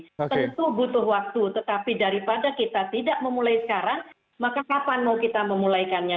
tentu butuh waktu tetapi daripada kita tidak memulai sekarang maka kapan mau kita memulaikannya